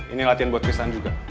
ini latihan buat turisan juga